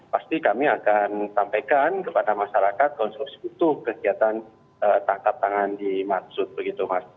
pasti kami akan sampaikan kepada masyarakat konsumsi itu kegiatan tangkap tangan di marsut begitu mas